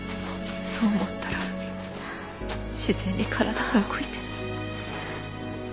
そう思ったら自然に体が動いて。